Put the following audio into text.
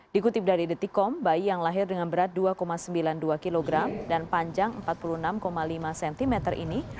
dikutip dari detikom bayi yang lahir dengan berat dua sembilan puluh dua kg dan panjang empat puluh enam lima cm ini